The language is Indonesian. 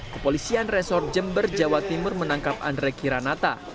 kepolisian resor jember jawa timur menangkap andre kiranata